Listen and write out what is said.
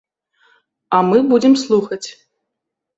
А мы будзем слухаць.